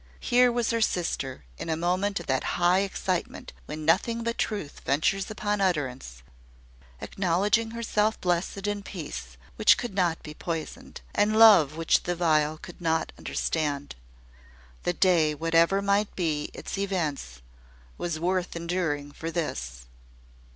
Here was her sister, in a moment of that high excitement when nothing but truth ventures upon utterance, acknowledging herself blessed in peace which could not be poisoned, and love which the vile could not understand. The day, whatever might be its events, was worth enduring for this.